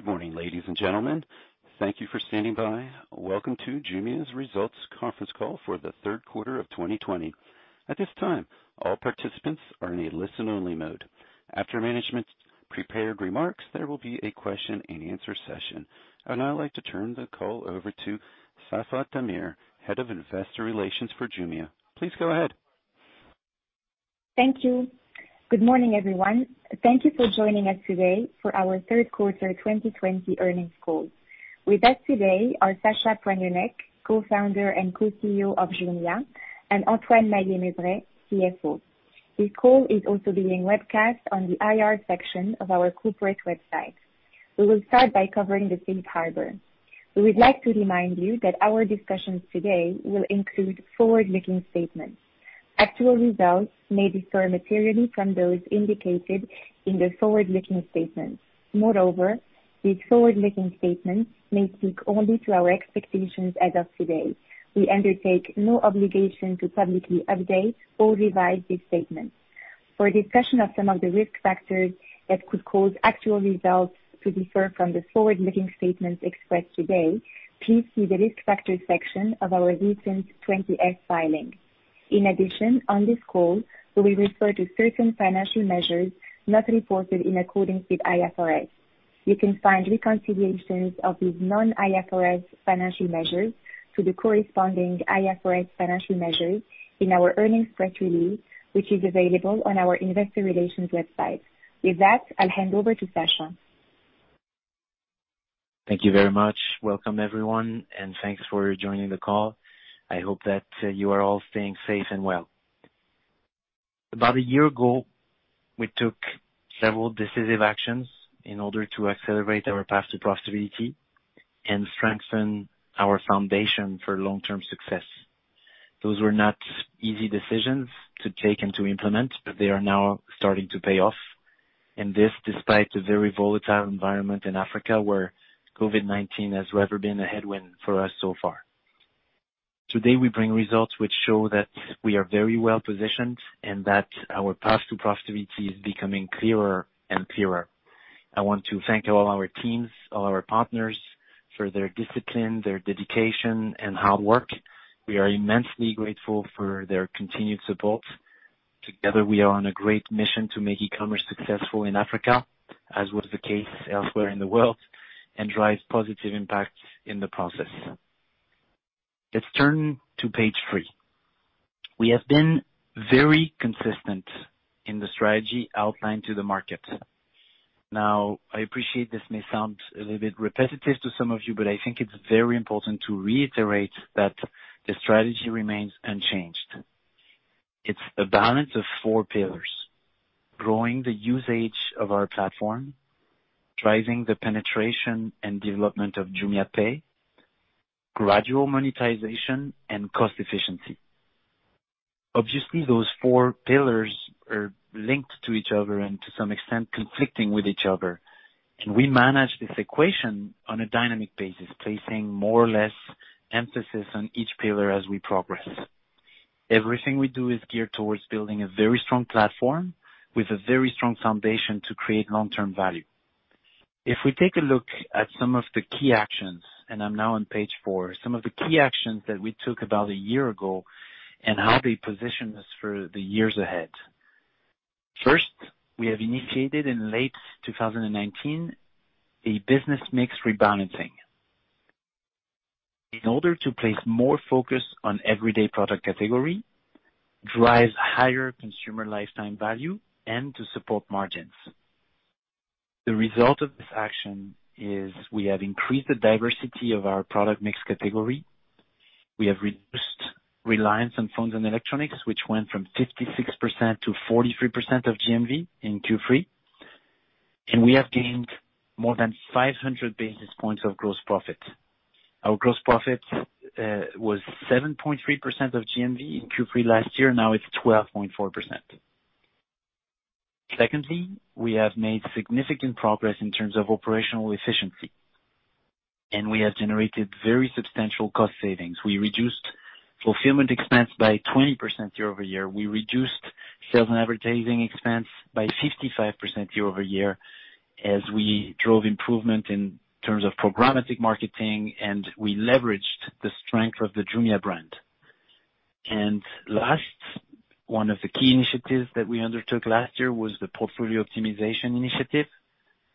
Good morning, ladies and gentlemen. Thank you for standing by. Welcome to Jumia's results conference call for the third quarter of 2020. At this time, all participants are in a listen-only mode. After management's prepared remarks, there will be a question-and-answer session. I would now like to turn the call over to Safae Damir, Head of Investor Relations for Jumia. Please go ahead. Thank you. Good morning, everyone. Thank you for joining us today for our third quarter 2020 earnings call. With us today are Sacha Poignonnec, Co-founder and Co-CEO of Jumia, and Antoine Maillet-Mezeray, CFO. This call is also being webcast on the IR section of our corporate website. We will start by covering the safe harbor. We would like to remind you that our discussions today will include forward-looking statements. Actual results may differ materially from those indicated in the forward-looking statements. Moreover, these forward-looking statements may speak only to our expectations as of today. We undertake no obligation to publicly update or revise this statement. For a discussion of some of the risk factors that could cause actual results to differ from the forward-looking statements expressed today, please see the risk factors section of our recent 20-F filing. In addition, on this call, we will refer to certain financial measures not reported in accordance with IFRS. You can find reconciliations of these non-IFRS financial measures to the corresponding IFRS financial measures in our earnings press release, which is available on our investor relations website. With that, I'll hand over to Sacha. Thank you very much. Welcome everyone, and thanks for joining the call. I hope that you are all staying safe and well. About a year ago, we took several decisive actions in order to accelerate our path to profitability and strengthen our foundation for long-term success. Those were not easy decisions to take and to implement, but they are now starting to pay off. This, despite the very volatile environment in Africa, where COVID-19 has never been a headwind for us so far. Today, we bring results which show that we are very well positioned, and that our path to profitability is becoming clearer and clearer. I want to thank all our teams, all our partners for their discipline, their dedication, and hard work. We are immensely grateful for their continued support. Together, we are on a great mission to make e-commerce successful in Africa, as was the case elsewhere in the world, and drive positive impact in the process. Let's turn to page 3. We have been very consistent in the strategy outlined to the market. Now, I appreciate this may sound a little bit repetitive to some of you, but I think it's very important to reiterate that the strategy remains unchanged. It's a balance of four pillars, growing the usage of our platform, driving the penetration and development of JumiaPay, gradual monetization, and cost efficiency. Obviously, those four pillars are linked to each other and to some extent conflicting with each other, and we manage this equation on a dynamic basis, placing more or less emphasis on each pillar as we progress. Everything we do is geared towards building a very strong platform with a very strong foundation to create long-term value. If we take a look at some of the key actions, and I'm now on page 4, some of the key actions that we took about a year ago and how they position us for the years ahead. First, we have initiated in late 2019 a business mix rebalancing in order to place more focus on everyday product category, drive higher consumer lifetime value, and to support margins. The result of this action is we have increased the diversity of our product mix category. We have reduced reliance on phones and electronics, which went from 56% to 43% of GMV in Q3, and we have gained more than 500 basis points of gross profit. Our gross profit was 7.3% of GMV in Q3 last year. Now it's 12.4%. Secondly, we have made significant progress in terms of operational efficiency, and we have generated very substantial cost savings. We reduced fulfillment expense by 20% year-over-year. We reduced sales and advertising expense by 55% year-over-year as we drove improvement in terms of programmatic marketing and we leveraged the strength of the Jumia brand. Last, one of the key initiatives that we undertook last year was the portfolio optimization initiative,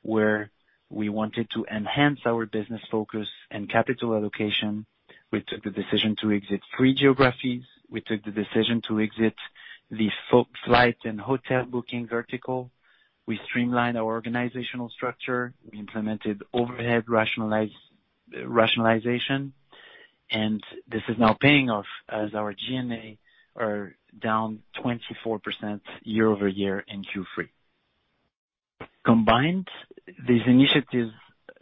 where we wanted to enhance our business focus and capital allocation. We took the decision to exit three geographies. We took the decision to exit the flight and hotel booking vertical. We streamlined our organizational structure. We implemented overhead rationalization, and this is now paying off as our G&A are down 24% year-over-year in Q3. Combined, these initiatives,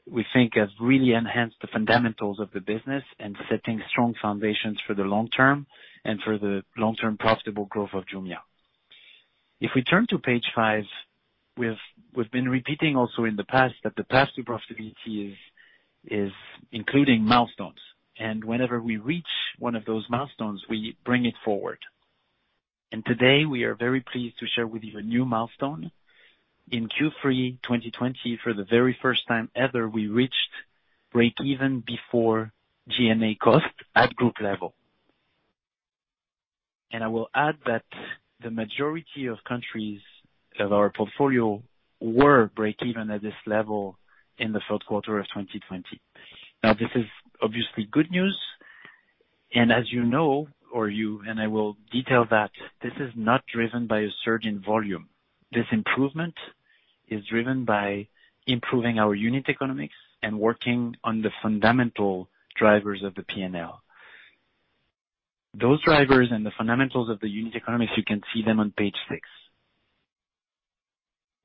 we think, have really enhanced the fundamentals of the business and setting strong foundations for the long term and for the long-term profitable growth of Jumia. If we turn to page 5, we've been repeating also in the past that the path to profitability is including milestones. Whenever we reach one of those milestones, we bring it forward. And today we are very pleased to share with you a new milestone. In Q3 2020, for the very first time ever, we reached breakeven before G&A cost at group level. I will add that the majority of countries of our portfolio were breakeven at this level in the third quarter of 2020. This is obviously good news, and as you know, and I will detail that, this is not driven by a surge in volume. This improvement is driven by improving our unit economics and working on the fundamental drivers of the P&L. Those drivers and the fundamentals of the unit economics, you can see them on page 6.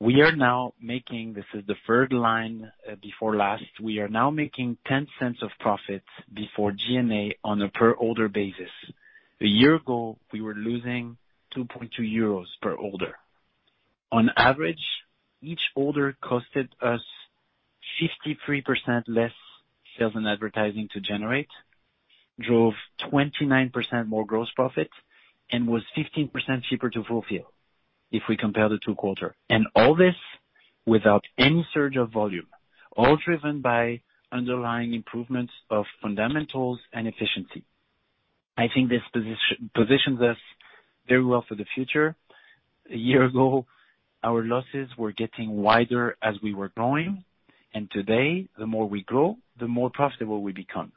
This is the third line before last. We are now making 0.10 of profits before G&A on a per order basis. A year ago, we were losing 2.2 euros per order. On average, each order costed us 53% less sales and advertising to generate, drove 29% more gross profit, and was 15% cheaper to fulfill if we compare the two quarter. All this without any surge of volume, all driven by underlying improvements of fundamentals and efficiency. I think this positions us very well for the future. A year ago, our losses were getting wider as we were growing, and today, the more we grow, the more profitable we become.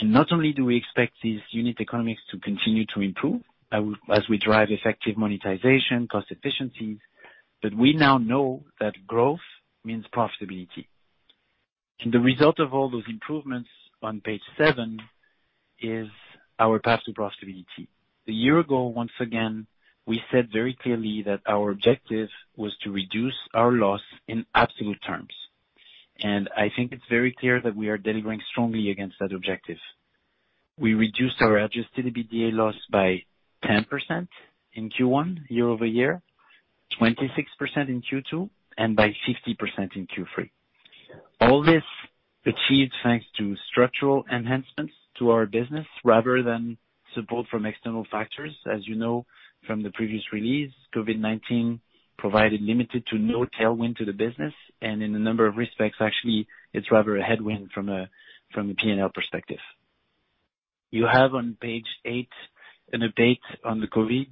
Not only do we expect these unit economics to continue to improve as we drive effective monetization, cost efficiencies, but we now know that growth means profitability. The result of all those improvements, on page 7, is our path to profitability. A year ago, once again, we said very clearly that our objective was to reduce our loss in absolute terms, and I think it's very clear that we are delivering strongly against that objective. We reduced our adjusted EBITDA loss by 10% in Q1, year-over-year, 26% in Q2, and by 50% in Q3. All this achieved thanks to structural enhancements to our business rather than support from external factors. As you know from the previous release, COVID-19 provided limited to no tailwind to the business, and in a number of respects, actually, it's rather a headwind from a P&L perspective. You have on page 8 an update on the COVID,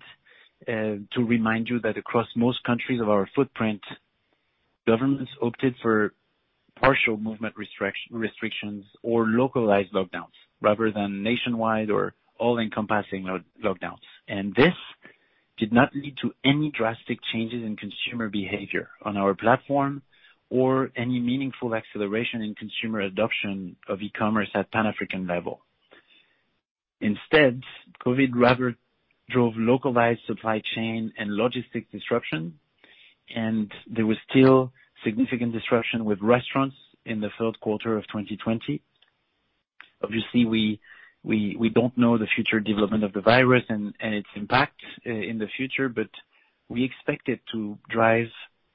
to remind you that across most countries of our footprint, governments opted for partial movement restrictions or localized lockdowns, rather than nationwide or all-encompassing lockdowns. This did not lead to any drastic changes in consumer behavior on our platform or any meaningful acceleration in consumer adoption of e-commerce at pan-African level. Instead, COVID rather drove localized supply chain and logistics disruption, and there was still significant disruption with restaurants in the third quarter of 2020. Obviously, we don't know the future development of the virus and its impact in the future, but we expect it to drive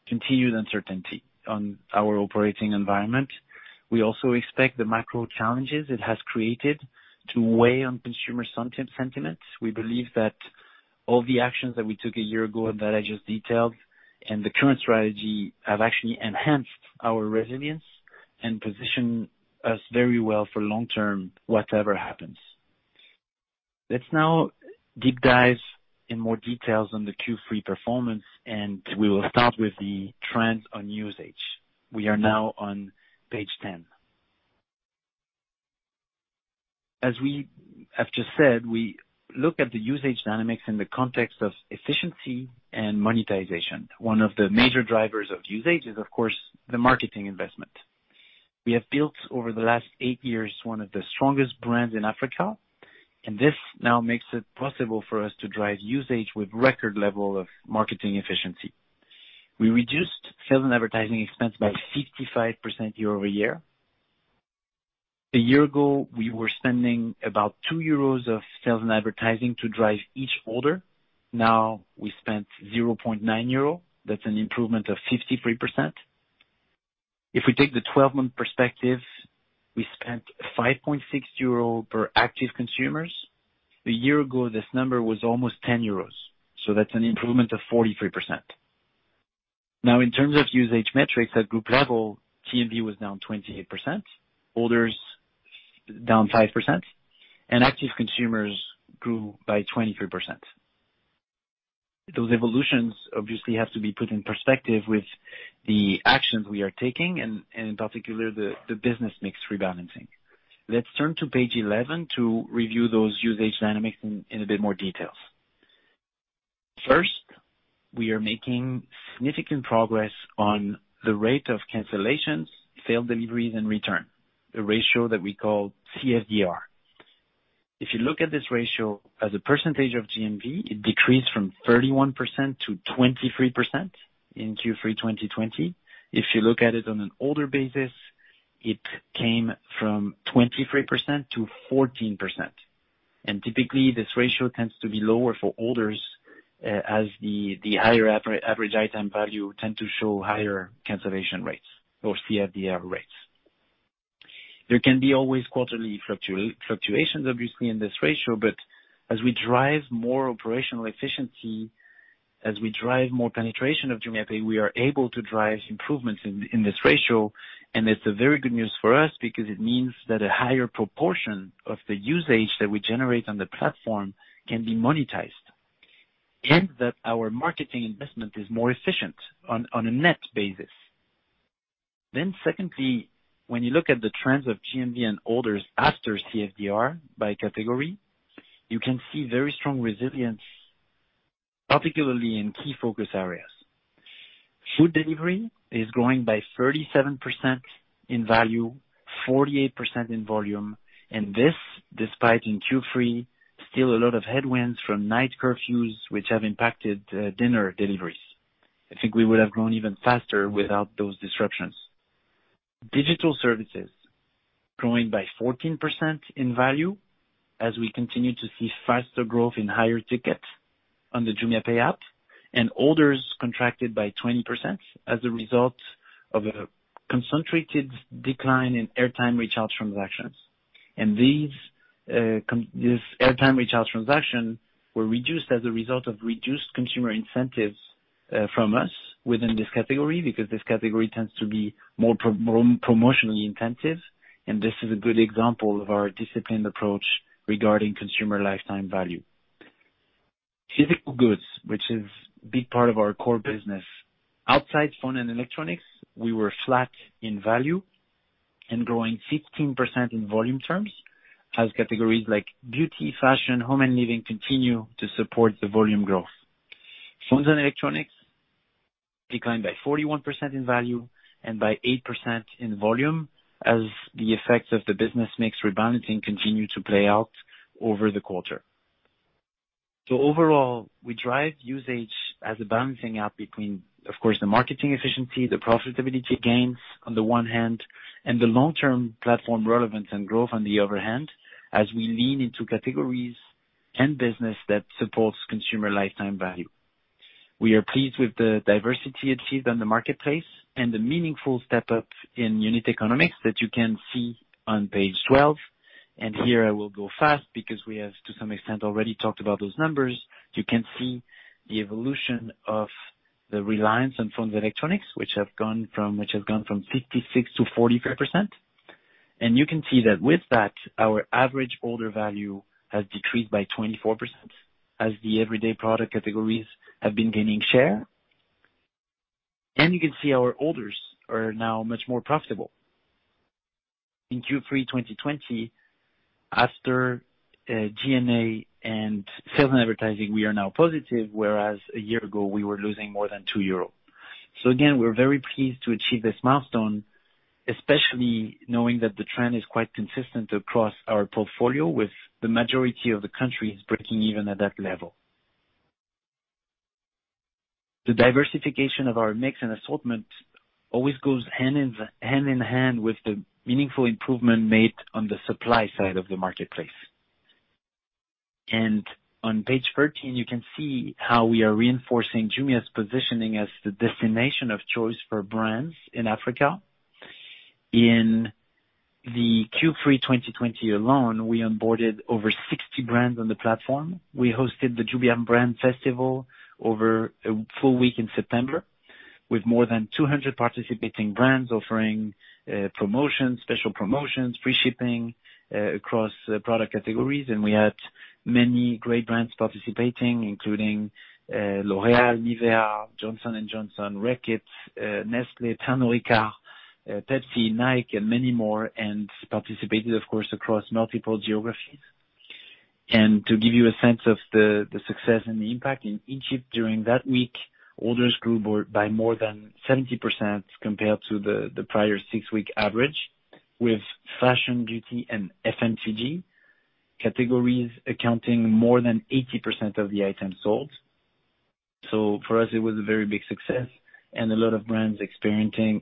continued uncertainty on our operating environment. We also expect the macro challenges it has created to weigh on consumer sentiments. We believe that all the actions that we took a year ago, and that I just detailed, and the current strategy have actually enhanced our resilience and position us very well for long term, whatever happens. Let's now deep dive in more details on the Q3 performance, and we will start with the trend on usage. We are now on page 10. As we have just said, we look at the usage dynamics in the context of efficiency and monetization. One of the major drivers of usage is, of course, the marketing investment. We have built, over the last eight years, one of the strongest brands in Africa, and this now makes it possible for us to drive usage with record level of marketing efficiency. We reduced sales and advertising expense by 55% year-over-year. A year ago, we were spending about 2 euros of sales and advertising to drive each order. Now we spent 0.9 euro. That's an improvement of 53%. If we take the 12-month perspective, we spent 5.6 euro per active consumers. A year ago, this number was almost 10 euros. That's an improvement of 43%. In terms of usage metrics at group level, GMV was down 28%, orders down 5%, and active consumers grew by 23%. Those evolutions obviously have to be put in perspective with the actions we are taking and, in particular, the business mix rebalancing. Let's turn to page 11 to review those usage dynamics in a bit more details. First, we are making significant progress on the rate of cancellations, failed deliveries, and return. The ratio that we call CFDR. If you look at this ratio as a percentage of GMV, it decreased from 31% to 23% in Q3 2020. If you look at it on an order basis, it came from 23% to 14%. Typically, this ratio tends to be lower for orders, as the higher average item value tend to show higher cancellation rates or CFDR rates. There can be always quarterly fluctuations, obviously, in this ratio, but as we drive more operational efficiency, as we drive more penetration of JumiaPay, we are able to drive improvements in this ratio. It's a very good news for us because it means that a higher proportion of the usage that we generate on the platform can be monetized, and that our marketing investment is more efficient on a net basis. Secondly, when you look at the trends of GMV and orders after CFDR by category, you can see very strong resilience, particularly in key focus areas. Food delivery is growing by 37% in value, 48% in volume, and this despite in Q3, still a lot of headwinds from night curfews which have impacted dinner deliveries. I think we would have grown even faster without those disruptions. Digital services growing by 14% in value as we continue to see faster growth in higher tickets on the JumiaPay app, and orders contracted by 20% as a result of a concentrated decline in airtime recharge transactions. These airtime recharge transaction were reduced as a result of reduced consumer incentives from us within this category because this category tends to be more promotionally intensive, and this is a good example of our disciplined approach regarding consumer lifetime value. Physical goods, which is a big part of our core business. Outside phone and electronics, we were flat in value and growing 15% in volume terms, as categories like beauty, fashion, home, and living continue to support the volume growth. Phones and electronics declined by 41% in value and by 8% in volume as the effects of the business mix rebalancing continue to play out over the quarter. Overall, we drive usage as a balancing act between, of course, the marketing efficiency, the profitability gains on the one hand, and the long-term platform relevance and growth on the other hand, as we lean into categories and business that supports consumer lifetime value. We are pleased with the diversity achieved on the marketplace and the meaningful step up in unit economics that you can see on page 12. Here I will go fast because we have, to some extent, already talked about those numbers. You can see the evolution of the reliance on phones electronics, which has gone from 66% to 45%. You can see that with that, our average order value has decreased by 24% as the everyday product categories have been gaining share. You can see our orders are now much more profitable. In Q3 2020, after G&A and sales and advertising, we are now positive, whereas a year ago we were losing more than 2 euros. Again, we're very pleased to achieve this milestone, especially knowing that the trend is quite consistent across our portfolio with the majority of the countries breaking even at that level. The diversification of our mix and assortment always goes hand in hand with the meaningful improvement made on the supply side of the marketplace. On page 13, you can see how we are reinforcing Jumia's positioning as the destination of choice for brands in Africa. In the Q3 2020 alone, we onboarded over 60 brands on the platform. We hosted the Jumia Brand Festival over a full week in September, with more than 200 participating brands offering promotions, special promotions, free shipping across product categories. We had many great brands participating, including L'Oréal, Nivea, Johnson & Johnson, Reckitt, Nestlé, Tamerica, Pepsi, Nike, and many more, and participated, of course, across multiple geographies. To give you a sense of the success and the impact in Egypt during that week, orders grew by more than 70% compared to the prior six week average, with fashion, beauty, and FMCG categories accounting more than 80% of the items sold. For us, it was a very big success and a lot of brands experiencing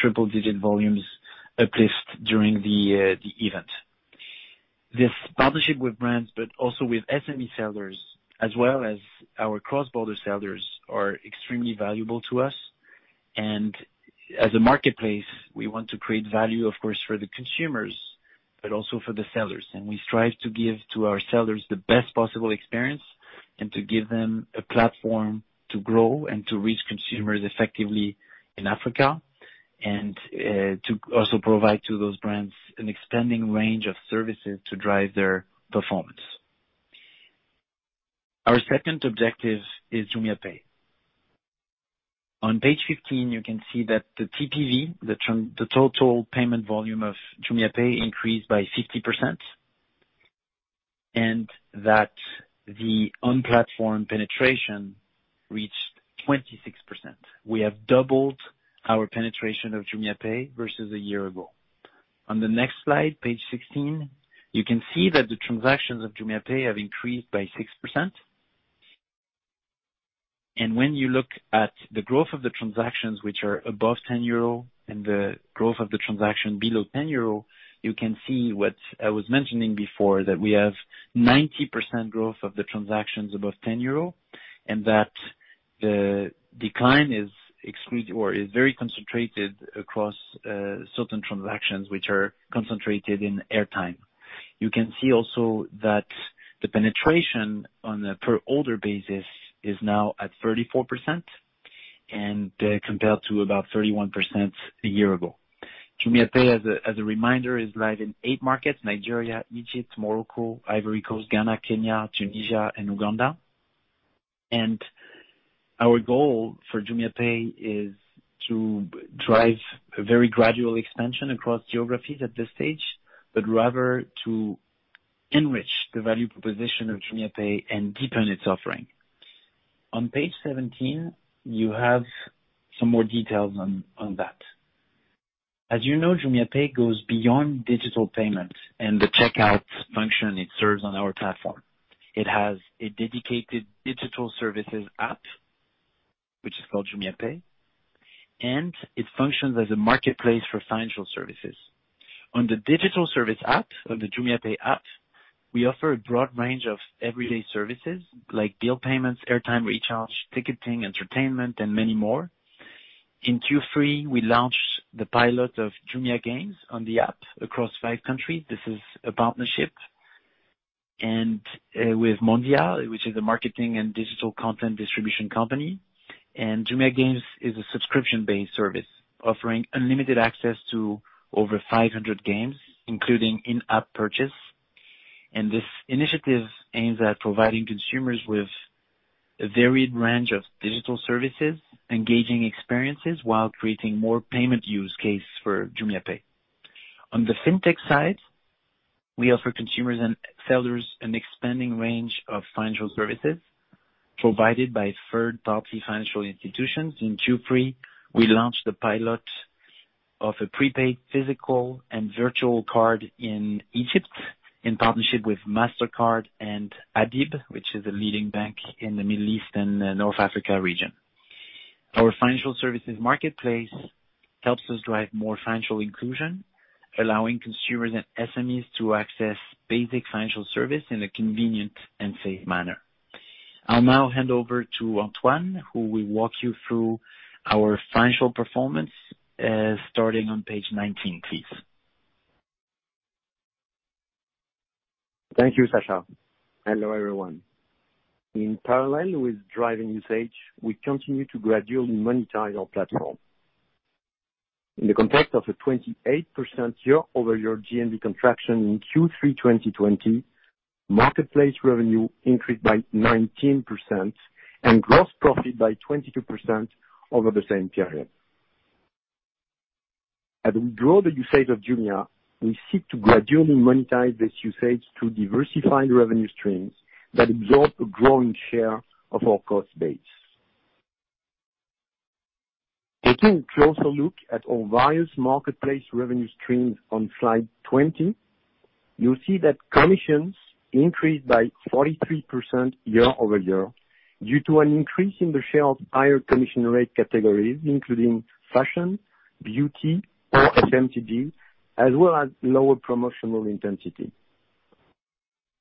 triple digit volumes uplift during the event. This partnership with brands, but also with SME sellers as well as our cross-border sellers, are extremely valuable to us. As a marketplace, we want to create value, of course, for the consumers, but also for the sellers. We strive to give to our sellers the best possible experience and to give them a platform to grow and to reach consumers effectively in Africa, and to also provide to those brands an expanding range of services to drive their performance. Our second objective is JumiaPay. On page 15, you can see that the TPV, the total payment volume of JumiaPay, increased by 60%, and that the on-platform penetration reached 26%. We have doubled our penetration of JumiaPay versus a year ago. On the next slide, page 16, you can see that the transactions of JumiaPay have increased by 6%. When you look at the growth of the transactions which are above 10 euro and the growth of the transaction below 10 euro, you can see what I was mentioning before, that we have 90% growth of the transactions above 10 euro, and that the decline is very concentrated across certain transactions, which are concentrated in airtime. You can see also that the penetration on a per order basis is now at 34%, and compared to about 31% a year ago. JumiaPay, as a reminder, is live in eight markets, Nigeria, Egypt, Morocco, Ivory Coast, Ghana, Kenya, Tunisia, and Uganda. Our goal for JumiaPay is to drive a very gradual expansion across geographies at this stage, but rather to enrich the value proposition of JumiaPay and deepen its offering. On page 17, you have some more details on that. As you know, JumiaPay goes beyond digital payment and the checkout function it serves on our platform. It has a dedicated digital services app, which is called JumiaPay. It functions as a marketplace for financial services. On the digital service app, on the JumiaPay app, we offer a broad range of everyday services like bill payments, airtime recharge, ticketing, entertainment, and many more. In Q3, we launched the pilot of Jumia Games on the app across five countries. This is a partnership with Mondia, which is a marketing and digital content distribution company. Jumia Games is a subscription-based service offering unlimited access to over 500 games, including in-app purchase. This initiative aims at providing consumers with a varied range of digital services, engaging experiences, while creating more payment use case for JumiaPay. On the fintech side, we offer consumers and sellers an expanding range of financial services provided by third-party financial institutions. In Q3, we launched the pilot of a prepaid physical and virtual card in Egypt in partnership with Mastercard and ADIB, which is a leading bank in the Middle East and North Africa region. Our financial services marketplace helps us drive more financial inclusion, allowing consumers and SMEs to access basic financial service in a convenient and safe manner. I'll now hand over to Antoine, who will walk you through our financial performance, starting on page 19, please. Thank you, Sacha. Hello, everyone. In parallel with driving usage, we continue to gradually monetize our platform. In the context of a 28% year-over-year GMV contraction in Q3 2020, marketplace revenue increased by 19% and gross profit by 22% over the same period. As we grow the usage of Jumia, we seek to gradually monetize this usage to diversify revenue streams that absorb a growing share of our cost base. Taking a closer look at our various marketplace revenue streams on slide 20, you will see that commissions increased by 43% year-over-year due to an increase in the share of higher commission rate categories, including fashion, beauty, health, and beauty, as well as lower promotional intensity.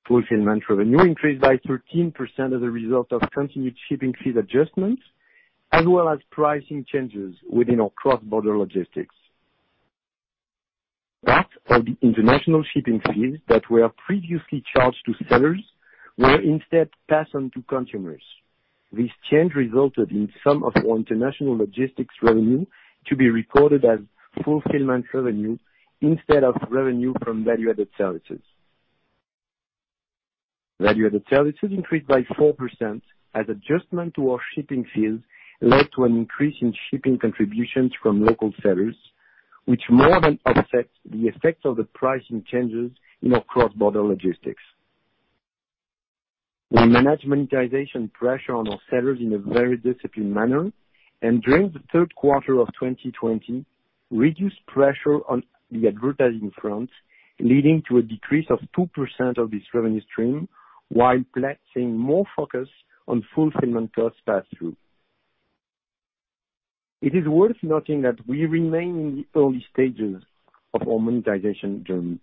Fulfillment revenue increased by 13% as a result of continued shipping fee adjustments, as well as pricing changes within our cross-border logistics. Part of the international shipping fees that were previously charged to sellers were instead passed on to consumers. This change resulted in some of our international logistics revenue to be recorded as fulfillment revenue instead of revenue from value-added services. Value-added services increased by 4% as adjustment to our shipping fees led to an increase in shipping contributions from local sellers, which more than offset the effect of the pricing changes in our cross-border logistics. We manage monetization pressure on our sellers in a very disciplined manner, and during the third quarter of 2020, reduced pressure on the advertising front, leading to a decrease of 2% of this revenue stream while placing more focus on fulfillment cost pass-through. It is worth noting that we remain in the early stages of our monetization journey.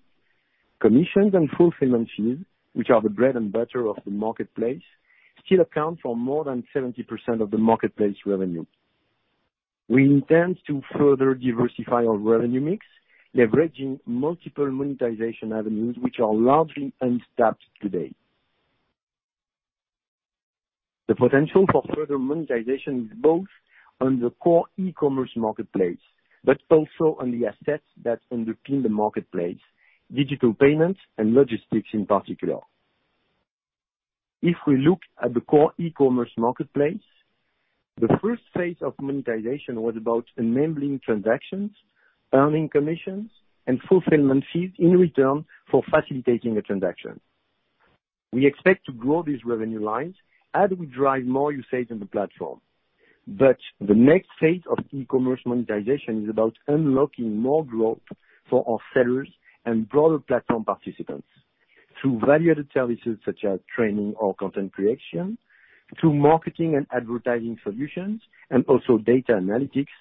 Commissions and fulfillment fees, which are the bread and butter of the marketplace, still account for more than 70% of the marketplace revenue. We intend to further diversify our revenue mix, leveraging multiple monetization avenues which are largely untapped today. The potential for further monetization is both on the core e-commerce marketplace, but also on the assets that underpin the marketplace, digital payments and logistics in particular. If we look at the core e-commerce marketplace, the first phase of monetization was about enabling transactions, earning commissions, and fulfillment fees in return for facilitating a transaction. We expect to grow these revenue lines as we drive more usage on the platform. The next phase of e-commerce monetization is about unlocking more growth for our sellers and broader platform participants through value-added services such as training or content creation, through marketing and advertising solutions, and also data analytics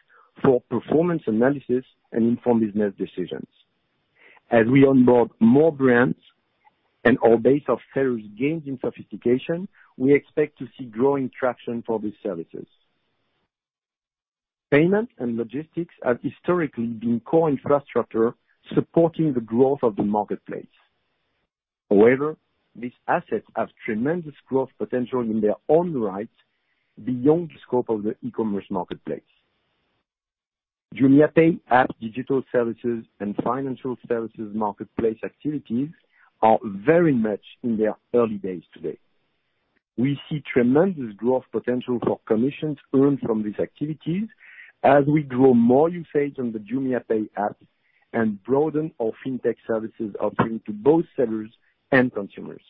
for performance analysis and informed business decisions. As we onboard more brands and our base of sellers gains in sophistication, we expect to see growing traction for these services. Payment and logistics have historically been core infrastructure supporting the growth of the marketplace. However, these assets have tremendous growth potential in their own right, beyond the scope of the e-commerce marketplace. JumiaPay app digital services and financial services marketplace activities are very much in their early days today. We see tremendous growth potential for commissions earned from these activities as we grow more usage on the JumiaPay app and broaden our fintech services offering to both sellers and consumers.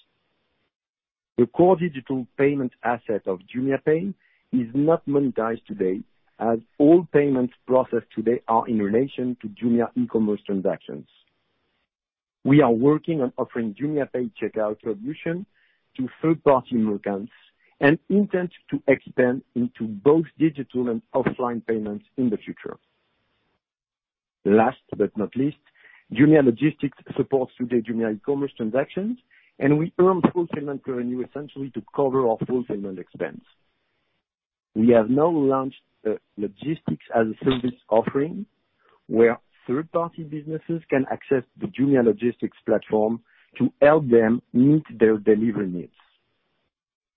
The core digital payment asset of JumiaPay is not monetized today, as all payments processed today are in relation to Jumia e-commerce transactions. We are working on offering JumiaPay checkout solution to third-party merchants, intend to expand into both digital and offline payments in the future. Last but not least, Jumia Logistics supports today Jumia e-commerce transactions, we earn fulfillment revenue essentially to cover our fulfillment expense. We have now launched a logistics-as-a-service offering, where third-party businesses can access the Jumia Logistics platform to help them meet their delivery needs.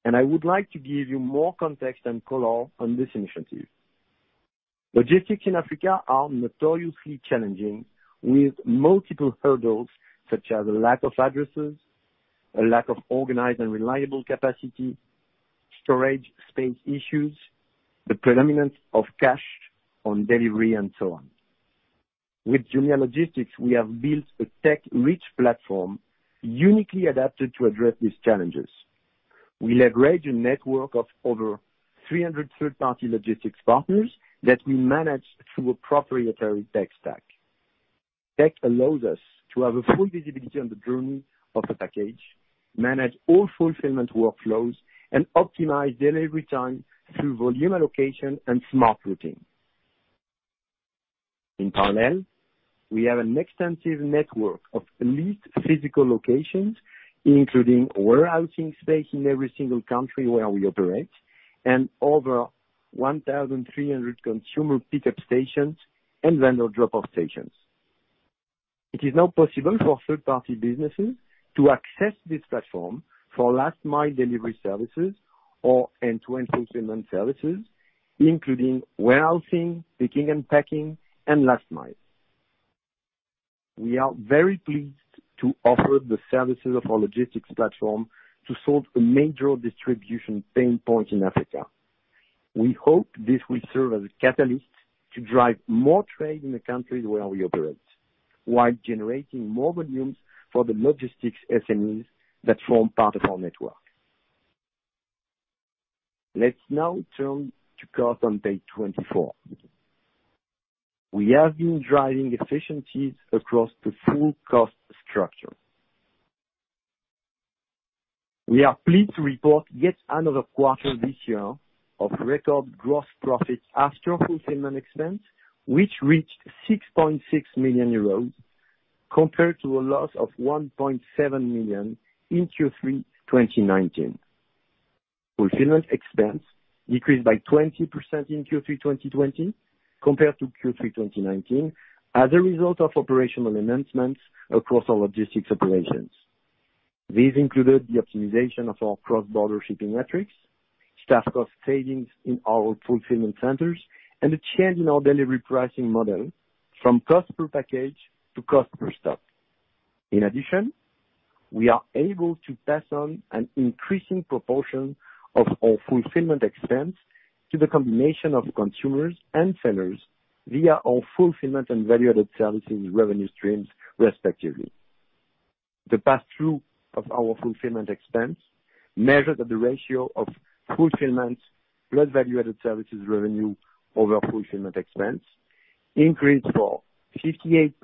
I would like to give you more context and color on this initiative. Logistics in Africa are notoriously challenging, with multiple hurdles, such as lack of addresses, a lack of organized and reliable capacity, storage space issues, the predominance of cash on delivery, and so on. With Jumia Logistics, we have built a tech-rich platform uniquely adapted to address these challenges. We leverage a network of over 300 third-party logistics partners that we manage through a proprietary tech stack. Tech allows us to have a full visibility on the journey of a package, manage all fulfillment workflows, and optimize delivery time through volume allocation and smart routing. In parallel, we have an extensive network of leased physical locations, including warehousing space in every single country where we operate and over 1,300 consumer pickup stations and vendor drop-off stations. It is now possible for third-party businesses to access this platform for last mile delivery services or end-to-end fulfillment services, including warehousing, picking and packing, and last mile. We are very pleased to offer the services of our logistics platform to solve a major distribution pain point in Africa. We hope this will serve as a catalyst to drive more trade in the countries where we operate, while generating more volumes for the logistics SMEs that form part of our network. Let's now turn to cost on page 24. We have been driving efficiencies across the full cost structure. We are pleased to report yet another quarter this year of record gross profit after fulfillment expense, which reached 6.6 million euros, compared to a loss of 1.7 million in Q3 2019. Fulfillment expense decreased by 20% in Q3 2020 compared to Q3 2019 as a result of operational enhancements across our logistics operations. These included the optimization of our cross-border shipping metrics, staff cost savings in our fulfillment centers, and a change in our delivery pricing model from cost per package to cost per stop. In addition, we are able to pass on an increasing proportion of our fulfillment expense to the combination of consumers and sellers via our fulfillment and value-added services revenue streams respectively. The pass-through of our fulfillment expense measured at the ratio of fulfillment plus value-added services revenue over fulfillment expense increased from 58%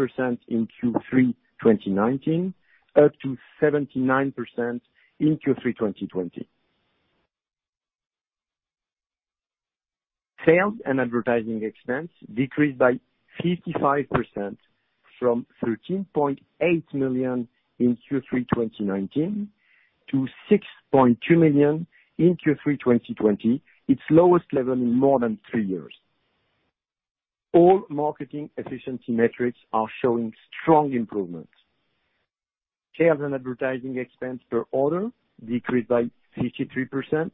in Q3 2019 up to 79% in Q3 2020. Sales and advertising expense decreased by 55%, from 13.8 million in Q3 2019 to 6.2 million in Q3 2020, its lowest level in more than three years. All marketing efficiency metrics are showing strong improvements. Sales and advertising expense per order decreased by 53%,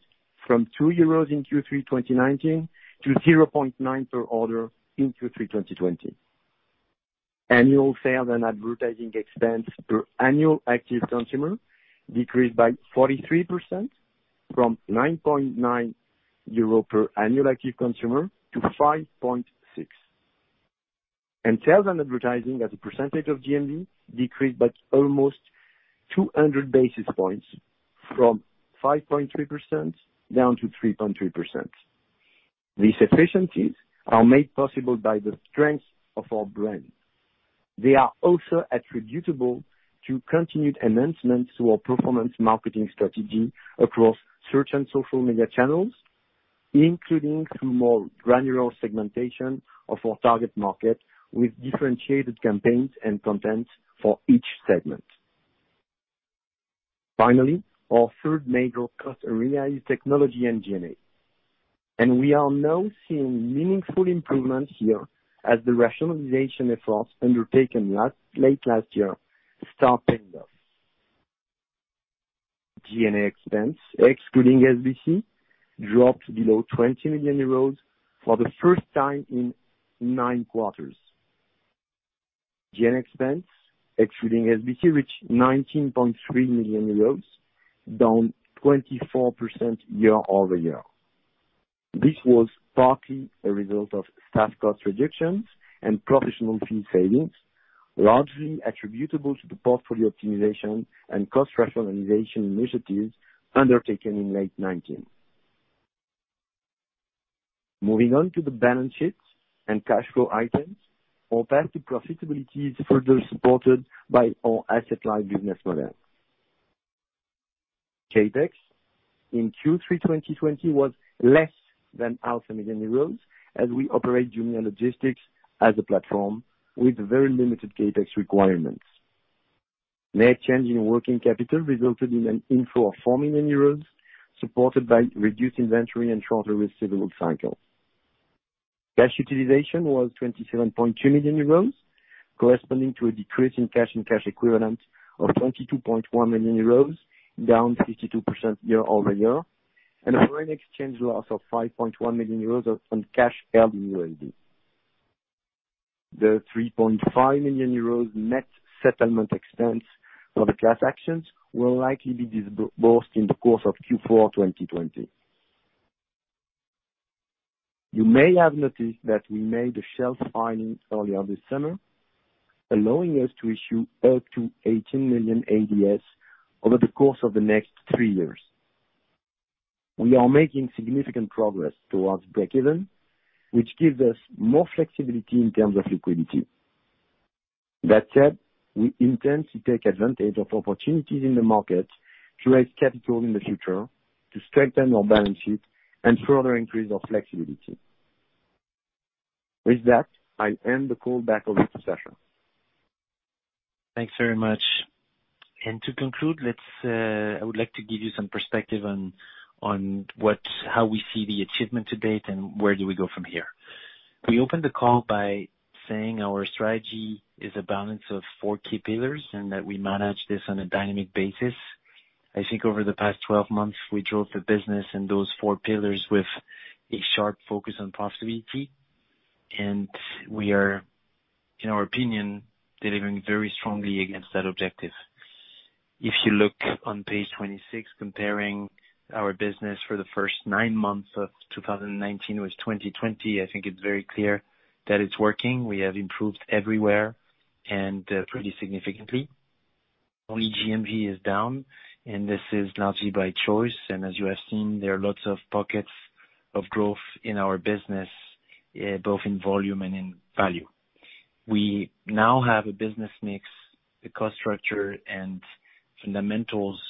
from 2 euros in Q3 2019 to 0.9 per order in Q3 2020. Annual sales and advertising expense per annual active consumer decreased by 43%, from 9.9 euro per annual active consumer to 5.6. Sales and advertising as a percentage of GMV decreased by almost 200 basis points from 5.3% down to 3.3%. These efficiencies are made possible by the strength of our brand. They are also attributable to continued enhancements to our performance marketing strategy across search and social media channels, including some more granular segmentation of our target market with differentiated campaigns and content for each segment. Finally, our third major cost area is technology and G&A. We are now seeing meaningful improvements here as the rationalization efforts undertaken late last year start paying off. G&A expense, excluding SBC, dropped below 20 million euros for the first time in nine quarters. G&A expense, excluding SBC, reached 19.3 million euros, down 24% year-over-year. This was partly a result of staff cost reductions and professional fee savings, largely attributable to the portfolio optimization and cost rationalization initiatives undertaken in late 2019. Moving on to the balance sheets and cash flow items. Our path to profitability is further supported by our asset-light business model. CapEx in Q3 2020 was less than 1,000 million euros as we operate Jumia Logistics as a platform with very limited CapEx requirements. Net change in working capital resulted in an inflow of 4 million euros, supported by reduced inventory and shorter receivable cycle. Cash utilization was 27.2 million euros, corresponding to a decrease in cash and cash equivalents of 22.1 million euros, down 52% year-over-year, and a foreign exchange loss of 5.1 million euros on cash held in USD. The 3.5 million euros net settlement expense for the class actions will likely be disbursed in the course of Q4 2020. You may have noticed that we made a shelf filing earlier this summer, allowing us to issue up to 18 million ADS over the course of the next three years. We are making significant progress towards breakeven, which gives us more flexibility in terms of liquidity. That said, we intend to take advantage of opportunities in the market to raise capital in the future to strengthen our balance sheet and further increase our flexibility. With that, I end the call back over to Sacha. Thanks very much. To conclude, I would like to give you some perspective on how we see the achievement to date and where do we go from here. We opened the call by saying our strategy is a balance of four key pillars and that we manage this on a dynamic basis. I think over the past 12 months, we drove the business and those four pillars with a sharp focus on profitability. We are, in our opinion, delivering very strongly against that objective. If you look on page 26, comparing our business for the first nine months of 2019 with 2020, I think it's very clear that it's working. We have improved everywhere and pretty significantly. Only GMV is down, and this is largely by choice, and as you have seen, there are lots of pockets of growth in our business, both in volume and in value. We now have a business mix, the cost structure, and fundamentals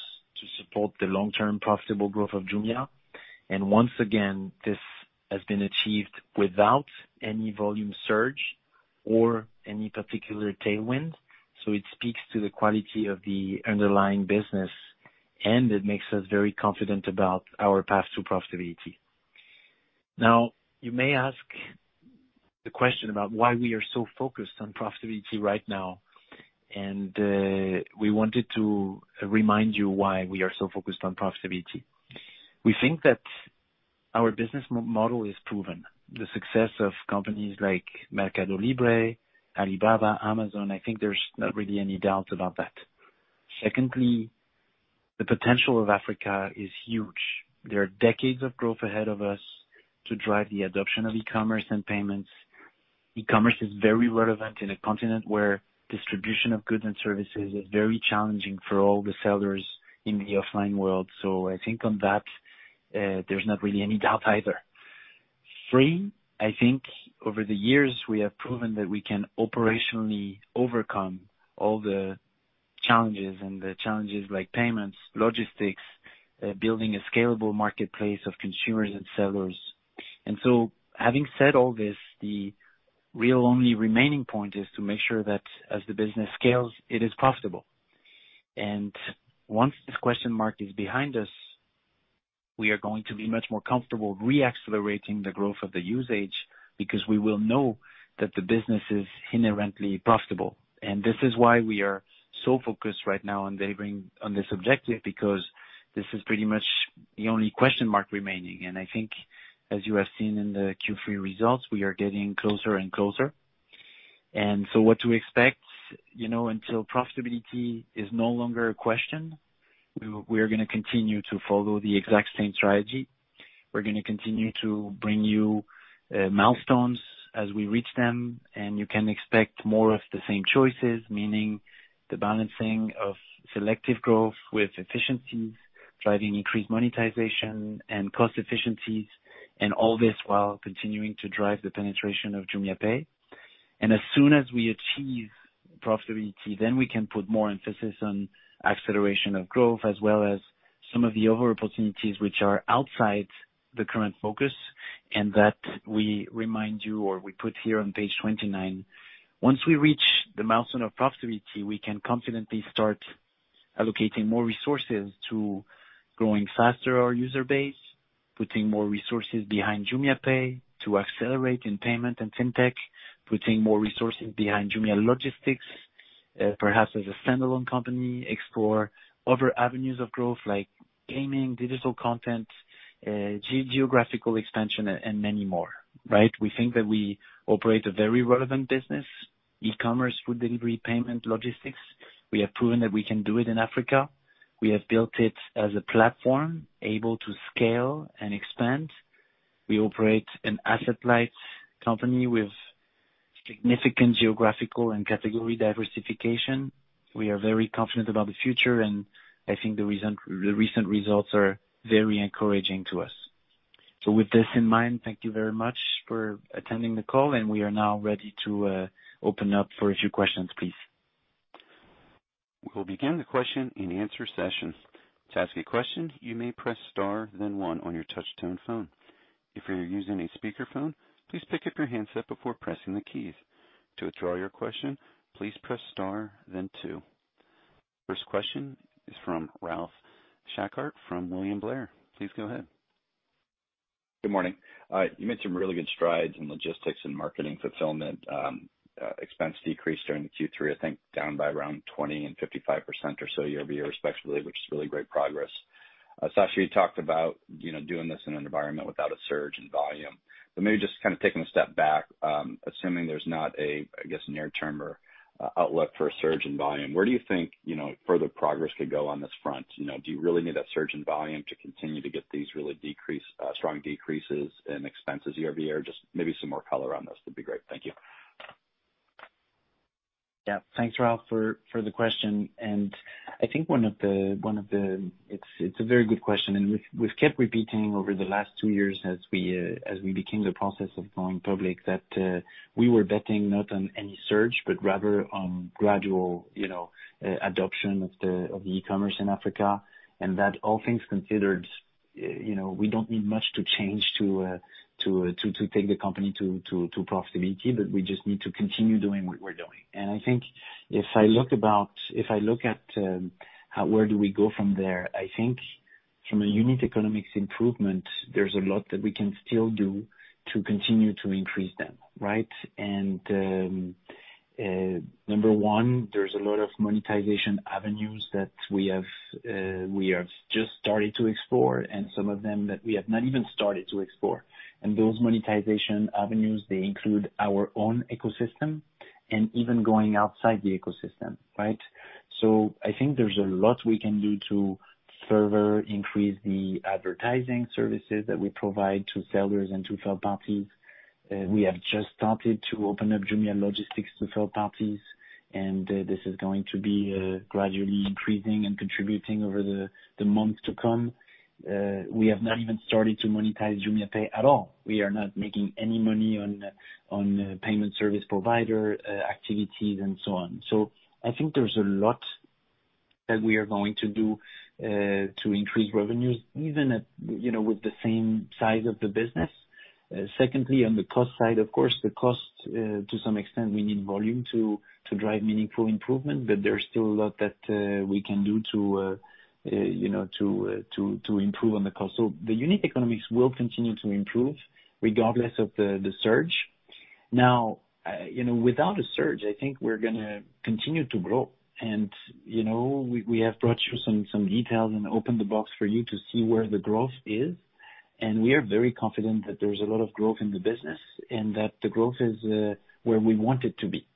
to support the long-term profitable growth of Jumia. Once again, this has been achieved without any volume surge or any particular tailwind, so it speaks to the quality of the underlying business, and it makes us very confident about our path to profitability. Now, you may ask the question about why we are so focused on profitability right now, and we wanted to remind you why we are so focused on profitability. We think that our business model is proven. The success of companies like Mercado Libre, Alibaba, Amazon, I think there's not really any doubt about that. Secondly, the potential of Africa is huge. There are decades of growth ahead of us to drive the adoption of e-commerce and payments. E-commerce is very relevant in a continent where distribution of goods and services is very challenging for all the sellers in the offline world. I think on that, there's not really any doubt either. Three, I think over the years, we have proven that we can operationally overcome all the challenges, and the challenges like payments, logistics, building a scalable marketplace of consumers and sellers. Having said all this, the real only remaining point is to make sure that as the business scales, it is profitable. Once this question mark is behind us, we are going to be much more comfortable re-accelerating the growth of the usage because we will know that the business is inherently profitable. This is why we are so focused right now on delivering on this objective, because this is pretty much the only question mark remaining. I think as you have seen in the Q3 results, we are getting closer and closer. What to expect, until profitability is no longer a question, we are going to continue to follow the exact same strategy. We're going to continue to bring you milestones as we reach them, and you can expect more of the same choices, meaning the balancing of selective growth with efficiencies, driving increased monetization and cost efficiencies, and all this while continuing to drive the penetration of JumiaPay. As soon as we achieve profitability, then we can put more emphasis on acceleration of growth, as well as some of the other opportunities which are outside the current focus, and that we remind you or we put here on page 29. Once we reach the milestone of profitability, we can confidently start allocating more resources to growing faster our user base, putting more resources behind JumiaPay to accelerate in payment and FinTech, putting more resources behind Jumia Logistics, perhaps as a standalone company, explore other avenues of growth like gaming, digital content, geographical expansion, and many more. We think that we operate a very relevant business, e-commerce, food delivery, payment, logistics. We have proven that we can do it in Africa. We have built it as a platform able to scale and expand. We operate an asset-light company with significant geographical and category diversification. We are very confident about the future, and I think the recent results are very encouraging to us. With this in mind, thank you very much for attending the call, and we are now ready to open up for a few questions, please. We will begin the question-and-answer session. To ask a question, you may press star, then one on your touchtone phone. If you are using a speakerphone, please pick up your handset before pressing the keys. To withdraw your question, please press star, then two. First question is from Ralph Schackart from William Blair. Please go ahead. Good morning. You made some really good strides in logistics and marketing fulfillment. Expense decreased during the Q3, I think down by around 20% and 55% or so year-over-year, respectively, which is really great progress. Sacha, you talked about doing this in an environment without a surge in volume. Maybe just kind of taking a step back, assuming there's not a, I guess, near-term or outlook for a surge in volume, where do you think further progress could go on this front? Do you really need that surge in volume to continue to get these really strong decreases in expenses year-over-year? Just maybe some more color on this would be great. Thank you. Yeah. Thanks, Ralph, for the question. I think it's a very good question, and we've kept repeating over the last two years as we began the process of going public that we were betting not on any surge, but rather on gradual adoption of e-commerce in Africa, and that all things considered, we don't need much to change to take the company to profitability, but we just need to continue doing what we're doing. I think if I look at where do we go from there, I think from a unit economics improvement, there's a lot that we can still do to continue to increase them. Right? Number one, there's a lot of monetization avenues that we have just started to explore and some of them that we have not even started to explore. Those monetization avenues, they include our own ecosystem and even going outside the ecosystem. Right? I think there's a lot we can do to further increase the advertising services that we provide to sellers and to third parties. We have just started to open up Jumia Logistics to third parties, and this is going to be gradually increasing and contributing over the months to come. We have not even started to monetize JumiaPay at all. We are not making any money on payment service provider activities, and so on. I think there's a lot that we are going to do to increase revenues, even with the same size of the business. Secondly, on the cost side, of course, the cost, to some extent, we need volume to drive meaningful improvement, but there's still a lot that we can do to improve on the cost. The unit economics will continue to improve regardless of the surge. Without a surge, I think we're going to continue to grow. We have brought you some details and opened the box for you to see where the growth is, and we are very confident that there's a lot of growth in the business and that the growth is where we want it to be.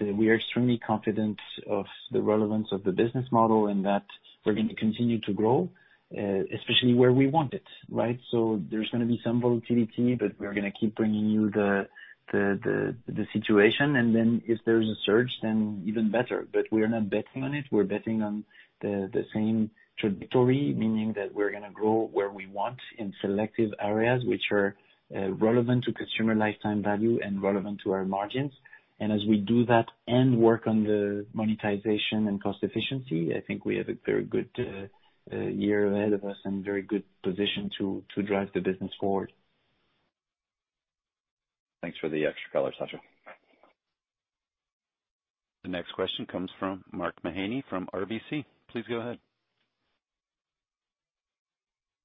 We are extremely confident of the relevance of the business model and that we're going to continue to grow, especially where we want it. Right? There's going to be some volatility, but we're going to keep bringing you the situation, and then if there's a surge, then even better. We're not betting on it. We're betting on the same trajectory, meaning that we're going to grow where we want in selective areas which are relevant to consumer lifetime value and relevant to our margins. As we do that and work on the monetization and cost efficiency, I think we have a very good year ahead of us and very good position to drive the business forward. Thanks for the extra color, Sacha. The next question comes from Mark Mahaney from RBC. Please go ahead.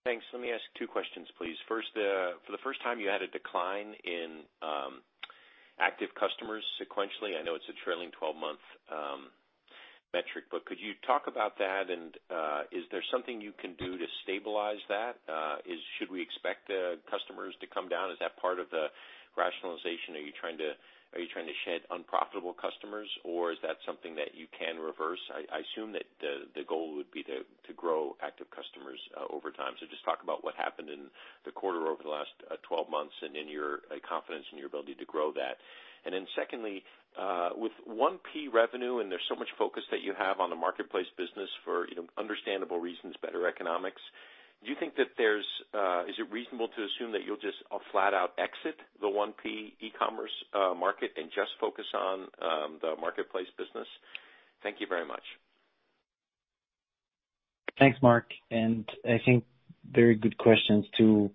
Thanks. Let me ask two questions, please. For the first time, you had a decline in active customers sequentially. I know it's a trailing 12-month metric. Could you talk about that? Is there something you can do to stabilize that? Should we expect customers to come down? Is that part of the rationalization? Are you trying to shed unprofitable customers, or is that something that you can reverse? I assume that the goal would be to grow active customers over time. Just talk about what happened in the quarter over the last 12 months and in your confidence in your ability to grow that. Secondly, with 1P revenue, there's so much focus that you have on the marketplace business for understandable reasons, better economics. Do you think that it's reasonable to assume that you'll just flat out exit the 1P e-commerce market and just focus on the marketplace business? Thank you very much. Thanks, Mark. I think very good questions too.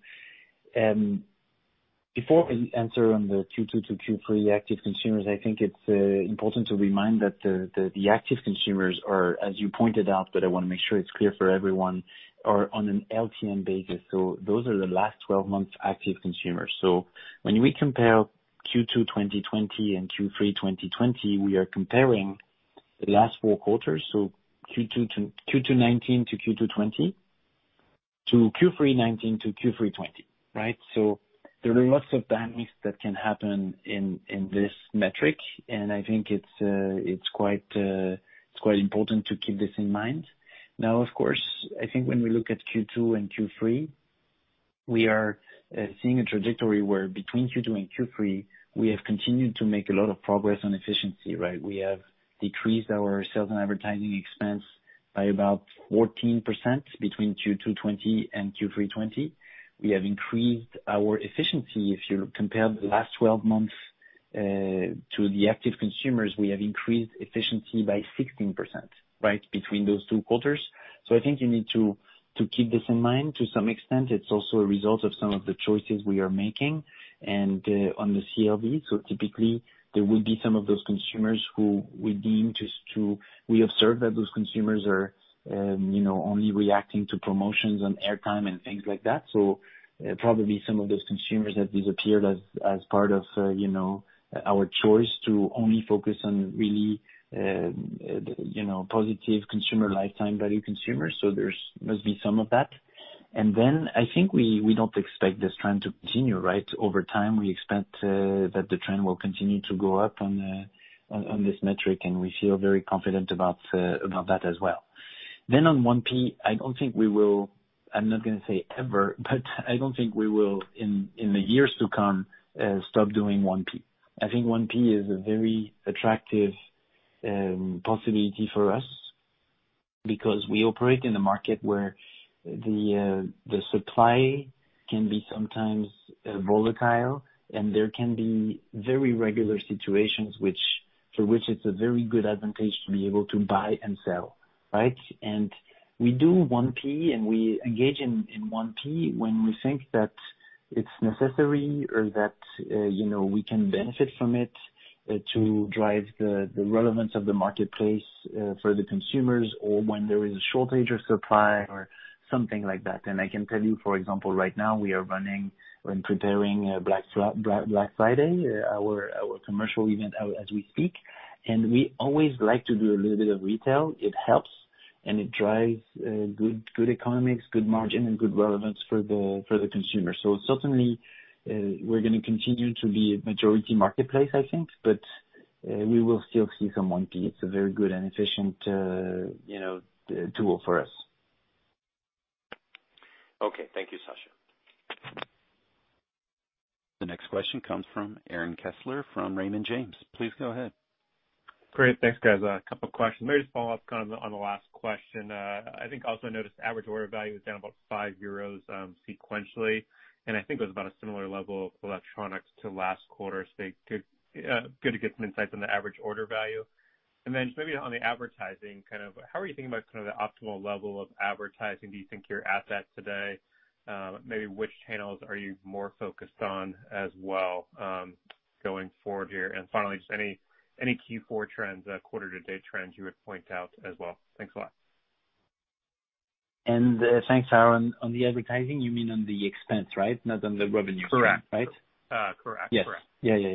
Before I answer on the Q2 to Q3 active consumers, I think it's important to remind that the active consumers are, as you pointed out, but I want to make sure it's clear for everyone, are on an LTM basis. Those are the last 12 months active consumers. When we compare Q2 2020 and Q3 2020, we are comparing the last four quarters, so Q2 '19 to Q2 2020, to Q3 2019 to Q3 2020, right? There are lots of dynamics that can happen in this metric, and I think it's quite important to keep this in mind. Of course, I think when we look at Q2 and Q3, we are seeing a trajectory where between Q2 and Q3, we have continued to make a lot of progress on efficiency, right? We have decreased our sales and advertising expense by about 14% between Q2 2020 and Q3 2020. We have increased our efficiency. If you compare the last 12 months to the active consumers, we have increased efficiency by 16%, right? Between those two quarters. I think you need to keep this in mind. To some extent, it's also a result of some of the choices we are making and on the CLV. Typically, there will be some of those consumers. We observe that those consumers are only reacting to promotions on air time and things like that. Probably some of those consumers have disappeared as part of our choice to only focus on really positive consumer lifetime value consumers. There must be some of that. I think we don't expect this trend to continue, right? Over time, we expect that the trend will continue to go up on this metric, and we feel very confident about that as well. On 1P, I don't think we will, I'm not going to say ever, but I don't think we will in the years to come, stop doing 1P. I think 1P is a very attractive possibility for us because we operate in a market where the supply can be sometimes volatile, and there can be very regular situations for which it's a very good advantage to be able to buy and sell, right? We do 1P, and we engage in 1P when we think that it's necessary or that we can benefit from it to drive the relevance of the marketplace for the consumers, or when there is a shortage of supply or something like that. I can tell you, for example, right now we are running and preparing Black Friday, our commercial event as we speak. We always like to do a little bit of retail. It helps, and it drives good economics, good margin and good relevance for the consumer. Certainly, we're going to continue to be a majority marketplace, I think. We will still see some 1P. It's a very good and efficient tool for us. Okay. Thank you, Sacha. The next question comes from Aaron Kessler from Raymond James. Please go ahead. Great. Thanks, guys. A couple of questions. Maybe just follow up on the last question. I think also I noticed average order value is down about 5 euros sequentially, and I think it was about a similar level of electronics to last quarter. It'd be good to get some insights on the average order value. Just maybe on the advertising, how are you thinking about kind of the optimal level of advertising? Do you think you're at that today? Maybe which channels are you more focused on as well going forward here? Finally, just any Q4 trends, quarter-to-date trends you would point out as well. Thanks a lot. Thanks, Aaron. On the advertising, you mean on the expense, right? Not on the revenue. Correct. Right? Correct. Yes. Yeah.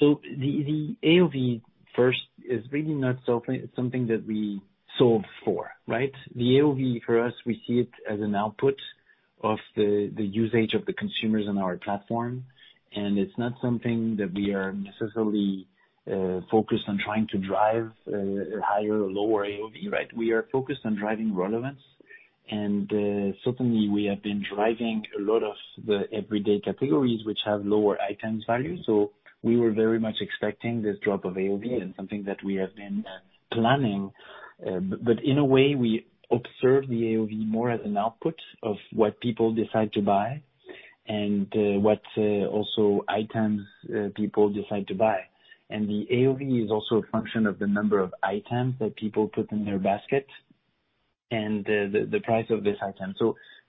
The AOV first is really not something that we solve for, right? The AOV for us, we see it as an output of the usage of the consumers on our platform, and it's not something that we are necessarily focused on trying to drive a higher or lower AOV, right? We are focused on driving relevance. Certainly, we have been driving a lot of the everyday categories which have lower items value. We were very much expecting this drop of AOV and something that we have been planning. In a way, we observe the AOV more as an output of what people decide to buy and what also items people decide to buy. The AOV is also a function of the number of items that people put in their basket and the price of this item.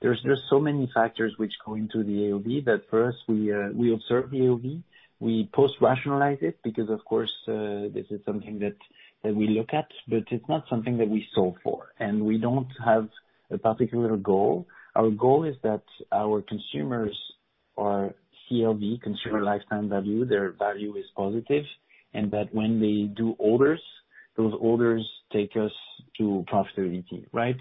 There's so many factors which go into the AOV that first we observe the AOV. We post-rationalize it because, of course, this is something that we look at, but it's not something that we solve for, and we don't have a particular goal. Our goal is that our consumers are CLV, consumer lifetime value, their value is positive, and that when they do orders, those orders take us to profitability, right?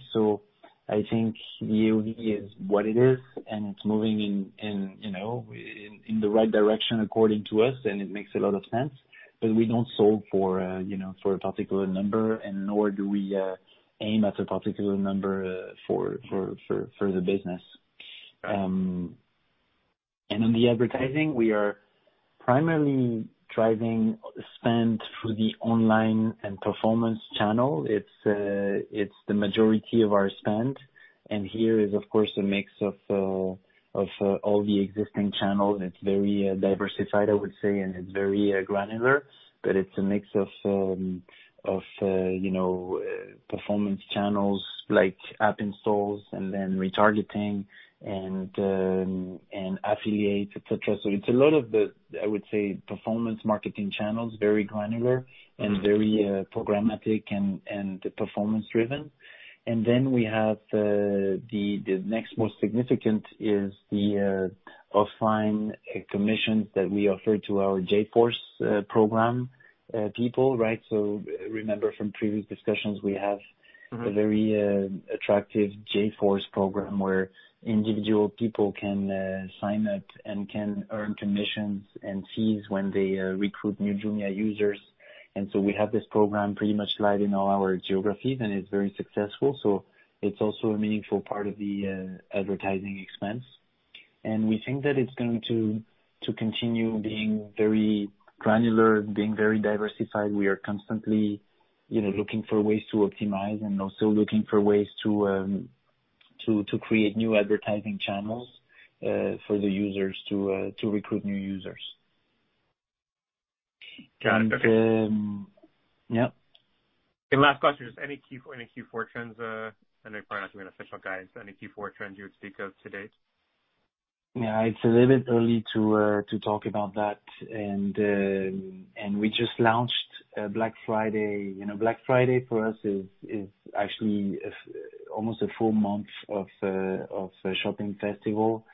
I think the AOV is what it is, and it's moving in the right direction according to us, and it makes a lot of sense. We don't solve for a particular number, and nor do we aim at a particular number for the business. Got it. In the advertising, we are primarily driving spend through the online and performance channel. It's the majority of our spend. Here is, of course, a mix of all the existing channels. It's very diversified, I would say, and it's very granular, but it's a mix of performance channels like app installs and then retargeting and affiliates, et cetera. It's a lot of the, I would say, performance marketing channels, very granular and very programmatic and performance driven. Then we have the next most significant is the offline commissions that we offer to our JForce program people. A very attractive JForce program where individual people can sign up and can earn commissions and fees when they recruit new Jumia users. We have this program pretty much live in all our geographies, and it's very successful. It's also a meaningful part of the advertising expense. We think that it's going to continue being very granular, being very diversified. We are constantly looking for ways to optimize and also looking for ways to create new advertising channels for the users to recruit new users. Got it. Okay. Yeah. Last question, just any Q4 trends, I know you're probably not giving official guidance, any Q4 trends you would speak of to date? Yeah. It's a little early to talk about that. We just launched Black Friday. Black Friday for us is actually almost a full month of shopping festival.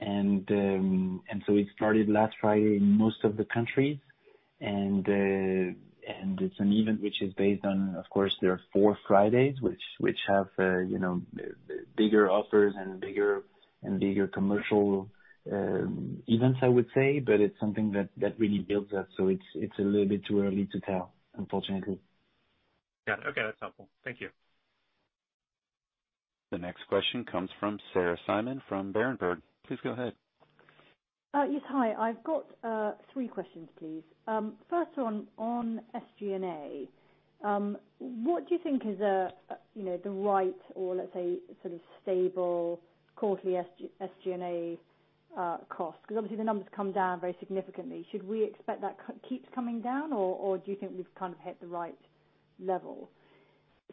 It started last Friday in most of the countries. It's an event which is based on, of course, there are four Fridays, which have bigger offers and bigger commercial events, I would say. It's something that really builds up. It's a little bit too early to tell, unfortunately. Yeah. Okay, that's helpful. Thank you. The next question comes from Sarah Simon from Berenberg. Please go ahead. Yes. Hi. I've got three questions, please. First on SG&A. What do you think is the right or let's say, sort of stable quarterly SG&A cost? Obviously the numbers come down very significantly. Should we expect that keeps coming down, or do you think we've kind of hit the right level?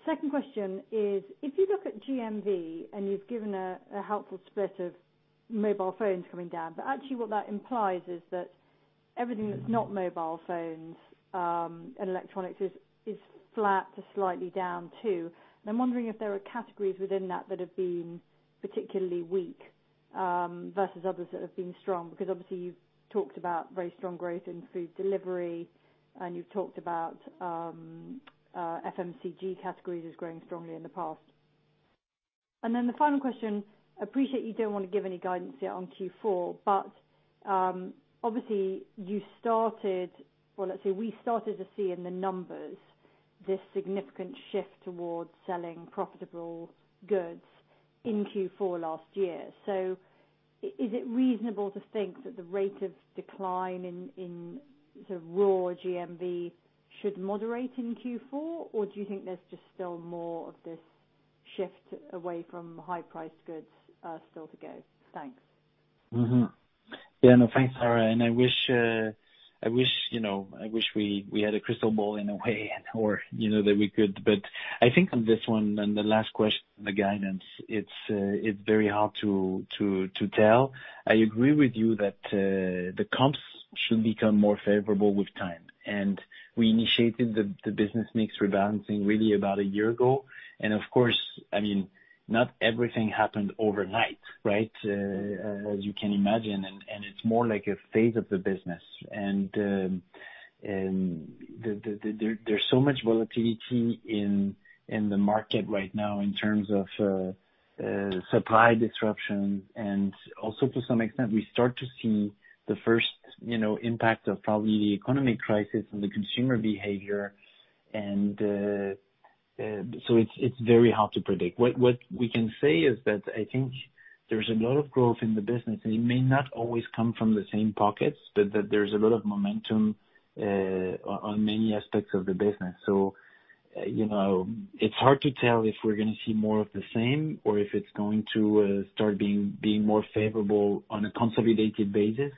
Second question is, if you look at GMV and you've given a helpful split of mobile phones coming down, but actually what that implies is that everything that's not mobile phones and electronics is flat to slightly down too. I'm wondering if there are categories within that that have been particularly weak versus others that have been strong. Obviously you've talked about very strong growth in food delivery, and you've talked about FMCG categories as growing strongly in the past. The final question, appreciate you don't want to give any guidance yet on Q4, but obviously you started, or let's say we started to see in the numbers, this significant shift towards selling profitable goods in Q4 last year. Is it reasonable to think that the rate of decline in raw GMV should moderate in Q4? Do you think there's just still more of this shift away from high priced goods still to go? Thanks. Yeah. No, thanks, Sarah. I wish we had a crystal ball in a way, or that we could. I think on this one and the last question, the guidance, it's very hard to tell. I agree with you that the comps should become more favorable with time, we initiated the business mix rebalancing really about a year ago. Of course, not everything happened overnight. Right? As you can imagine, it's more like a phase of the business. There's so much volatility in the market right now in terms of supply disruption and also to some extent, we start to see the first impact of probably the economic crisis on the consumer behavior. It's very hard to predict. What we can say is that I think there's a lot of growth in the business, and it may not always come from the same pockets, but there's a lot of momentum on many aspects of the business. It's hard to tell if we're going to see more of the same or if it's going to start being more favorable on a consolidated basis.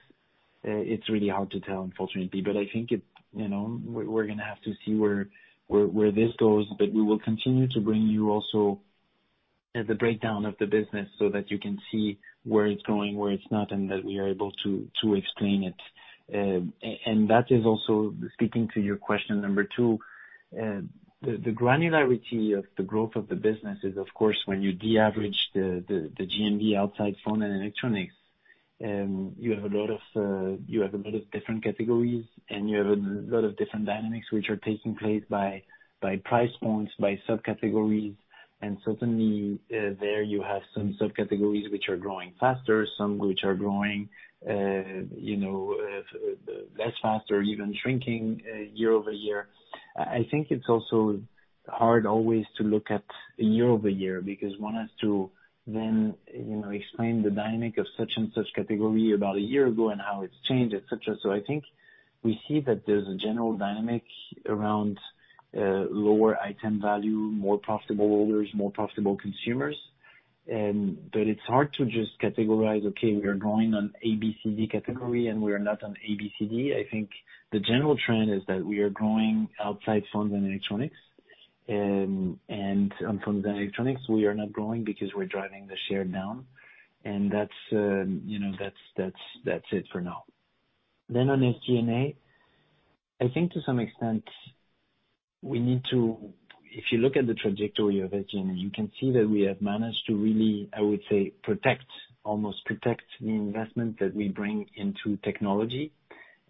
It's really hard to tell, unfortunately. I think we're going to have to see where this goes. We will continue to bring you also the breakdown of the business so that you can see where it's going, where it's not, and that we are able to explain it. That is also speaking to your question number two. The granularity of the growth of the business is, of course, when you de-average the GMV outside phone and electronics, you have a lot of different categories, and you have a lot of different dynamics which are taking place by price points, by subcategories. Certainly there you have some subcategories which are growing faster, some which are growing, you know-That's faster, even shrinking year-over-year. I think it's also hard always to look at year-over-year because one has to then explain the dynamic of such and such category about a year ago and how it's changed, et cetera. I think we see that there's a general dynamic around lower item value, more profitable orders, more profitable consumers. It's hard to just categorize, okay, we are growing on A, B, C, D category and we are not on A, B, C, D. I think the general trend is that we are growing outside phones and electronics. On phones and electronics, we are not growing because we're driving the share down. That's it for now. On SG&A, I think to some extent, if you look at the trajectory of SG&A, you can see that we have managed to really, I would say, almost protect the investment that we bring into technology,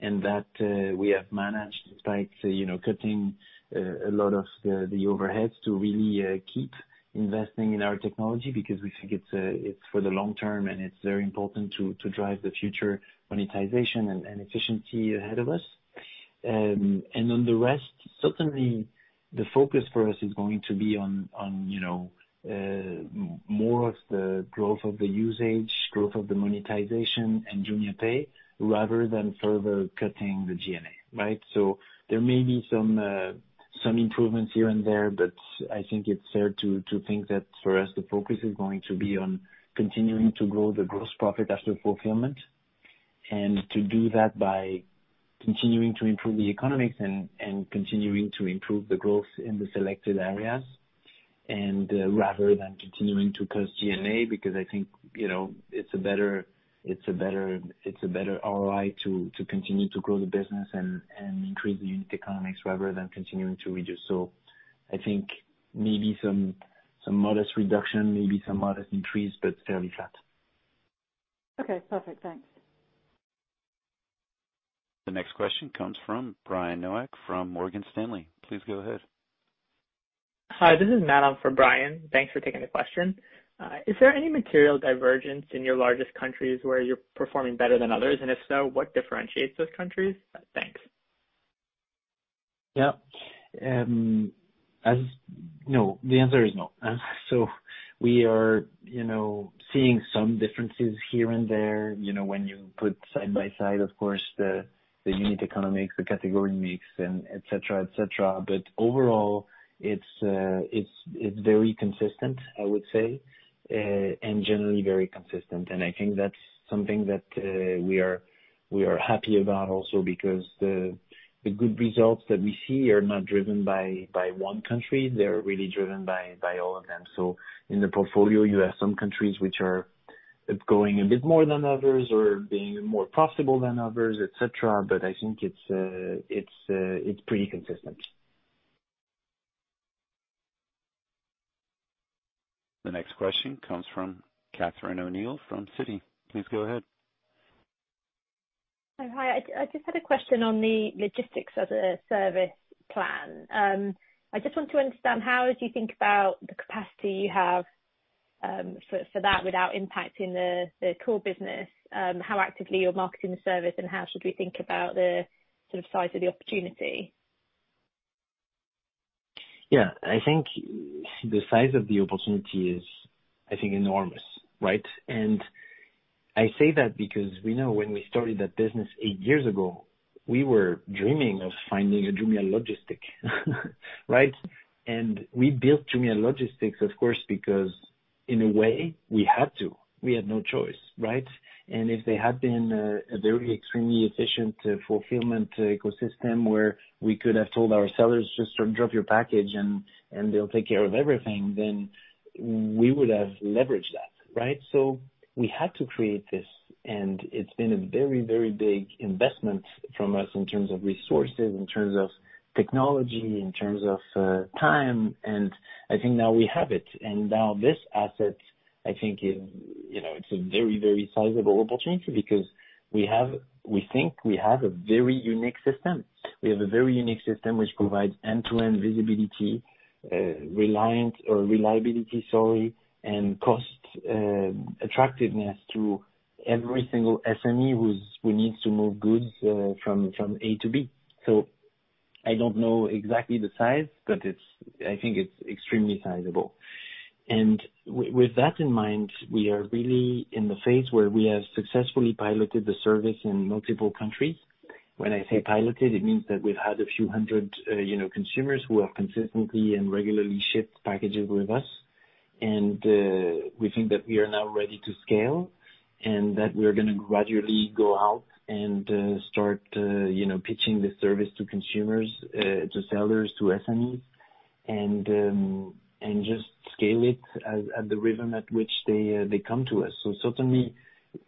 and that we have managed, despite cutting a lot of the overheads, to really keep investing in our technology because we think it's for the long term, and it's very important to drive the future monetization and efficiency ahead of us. On the rest, certainly the focus for us is going to be on more of the growth of the usage, growth of the monetization and JumiaPay, rather than further cutting the G&A. Right? There may be some improvements here and there, but I think it's fair to think that for us, the focus is going to be on continuing to grow the gross profit after fulfillment. To do that by continuing to improve the economics and continuing to improve the growth in the selected areas. Rather than continuing to cut G&A, because I think it's a better ROI to continue to grow the business and increase the unit economics rather than continuing to reduce. I think maybe some modest reduction, maybe some modest increase, but fairly flat. Okay, perfect. Thanks. The next question comes from Brian Nowak from Morgan Stanley. Please go ahead. Hi, this is Matt on for Brian. Thanks for taking the question. Is there any material divergence in your largest countries where you're performing better than others? If so, what differentiates those countries? Thanks. Yeah. No. The answer is no. We are seeing some differences here and there. When you put side by side, of course, the unit economics, the category mix, and et cetera. Overall, it's very consistent, I would say. Generally very consistent. I think that's something that we are happy about also because the good results that we see are not driven by one country. They're really driven by all of them. In the portfolio, you have some countries which are growing a bit more than others or being more profitable than others, et cetera. I think it's pretty consistent. The next question comes from Catherine O'Neill from Citi. Please go ahead. Hi. I just had a question on the logistics as a service plan. I just want to understand how do you think about the capacity you have for that without impacting the core business, how actively you're marketing the service, and how should we think about the sort of size of the opportunity? Yeah. I think the size of the opportunity is, I think, enormous. Right? I say that because we know when we started that business 8 years ago, we were dreaming of finding a Jumia Logistics. Right? We built Jumia Logistics, of course, because in a way, we had to. We had no choice, right? If there had been a very extremely efficient fulfillment ecosystem where we could have told our sellers, "Just drop your package and they'll take care of everything," we would have leveraged that. Right? We had to create this, it's been a very, very big investment from us in terms of resources, in terms of technology, in terms of time, I think now we have it. Now this asset, I think, it's a very, very sizable opportunity because we think we have a very unique system. We have a very unique system which provides end-to-end visibility, reliance or reliability, sorry, and cost attractiveness to every single SME who needs to move goods from A to B. I don't know exactly the size, but I think it's extremely sizable. With that in mind, we are really in the phase where we have successfully piloted the service in multiple countries. When I say piloted, it means that we've had a few hundred consumers who have consistently and regularly shipped packages with us. We think that we are now ready to scale and that we're going to gradually go out and start pitching the service to consumers, to sellers, to SMEs, and just scale it at the rhythm at which they come to us. Certainly,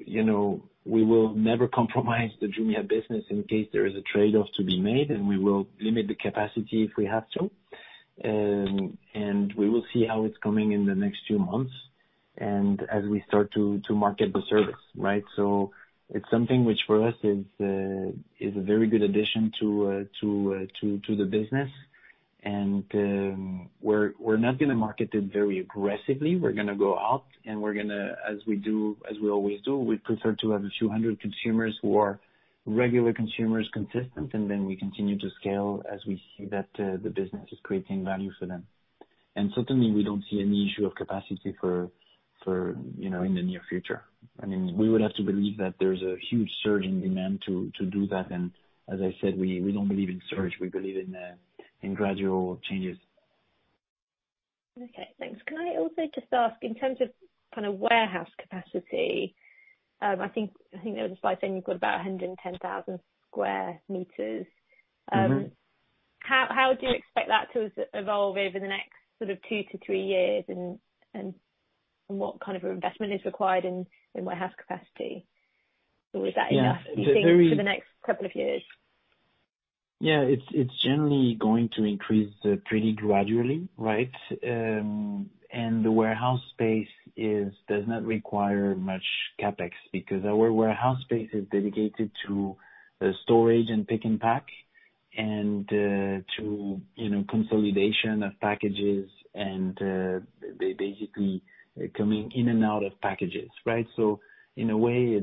we will never compromise the Jumia business in case there is a trade-off to be made, and we will limit the capacity if we have to. We will see how it's coming in the next few months and as we start to market the service, right? It's something which for us is a very good addition to the business. We're not going to market it very aggressively. We're going to go out, and as we always do, we prefer to have a few hundred consumers who are regular consumers, consistent, and then we continue to scale as we see that the business is creating value for them. Certainly we don't see any issue of capacity in the near future. We would have to believe that there's a huge surge in demand to do that, and as I said, we don't believe in surge, we believe in gradual changes. Okay, thanks. Can I also just ask, in terms of warehouse capacity, I think there was a slide saying you've got about 110,000 square meters. How do you expect that to evolve over the next two to three years, and what kind of investment is required in warehouse capacity? Or is that enough? Yeah. do you think, for the next couple of years? Yeah. It's generally going to increase pretty gradually, right? The warehouse space does not require much CapEx because our warehouse space is dedicated to storage and pick and pack and to consolidation of packages and basically coming in and out of packages. Right? In a way,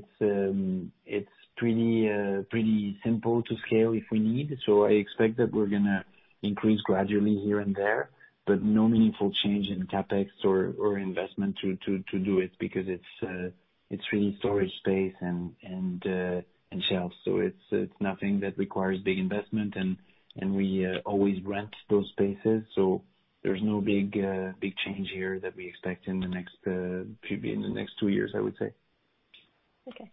it's pretty simple to scale if we need. I expect that we're going to increase gradually here and there, but no meaningful change in CapEx or investment to do it because it's really storage space and shelves. It's nothing that requires big investment, and we always rent those spaces, so there's no big change here that we expect in the next two years, I would say. Okay.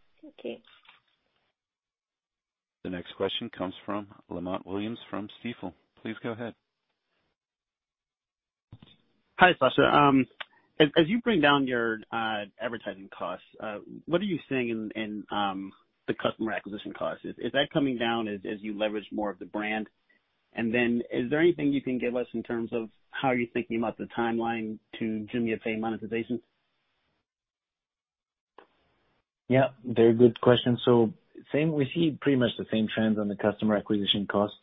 The next question comes from Lamont Williams from Stifel. Please go ahead. Hi, Sacha. As you bring down your advertising costs, what are you seeing in the customer acquisition cost? Is that coming down as you leverage more of the brand? Is there anything you can give us in terms of how you're thinking about the timeline to JumiaPay monetization? Yeah. Very good question. We see pretty much the same trends on the customer acquisition cost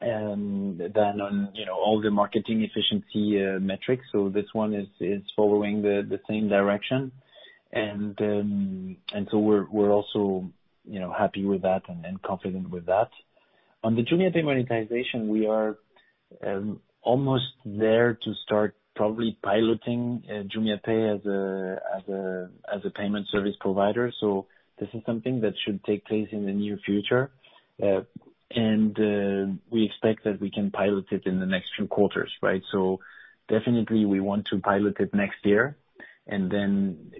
than on all the marketing efficiency metrics. This one is following the same direction. We're also happy with that and confident with that. On the JumiaPay monetization, we are almost there to start probably piloting JumiaPay as a payment service provider. This is something that should take place in the near future. We expect that we can pilot it in the next few quarters. Right? Definitely we want to pilot it next year, and then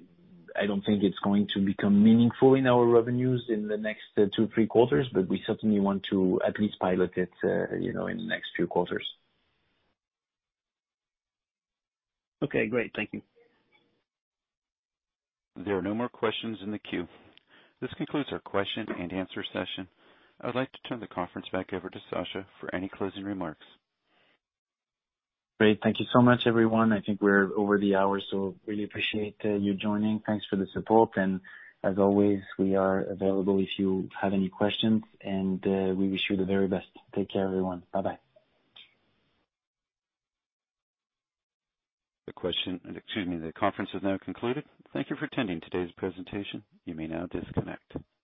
I don't think it's going to become meaningful in our revenues in the next two, three quarters. We certainly want to at least pilot it in the next few quarters. Okay, great. Thank you. There are no more questions in the queue. This concludes our question-and-answer session. I'd like to turn the conference back over to Sacha for any closing remarks. Great. Thank you so much, everyone. I think we're over the hour, so really appreciate you joining. Thanks for the support, and as always, we are available if you have any questions, and we wish you the very best. Take care, everyone. Bye-bye. The conference is now concluded. Thank you for attending today's presentation. You may now disconnect.